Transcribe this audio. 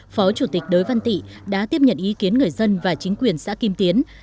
phó chủ tịch đới văn tị đã tiếp nhận ý kiến người dân và chính quyền xã kim tiến